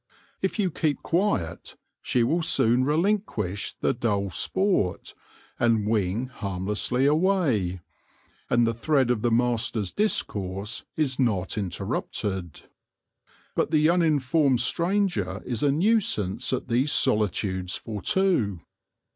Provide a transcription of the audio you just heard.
If you keep quiet, she will soon relinquish the dull sport, and wing harmlessly away ; and the thread of the master's discourse is not interrupted. But the uninformed stranger is a nuisance at these solitudes for two.